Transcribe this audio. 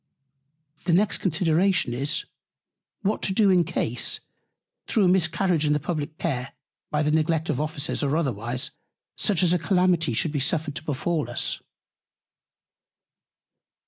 The next Consideration is, What to do in Case, through a Miscarriage in the publick Care, by the Neglect of Officers, or otherwise, such a Calamity should be suffered to befall us.